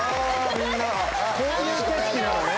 みんなこういう景色なのね。